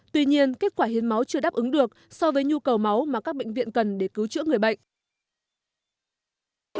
tuy nhiên kết quả hiến máu chưa đáp ứng được so với nhu cầu máu mà các bệnh viện cần để cứu chữa người bệnh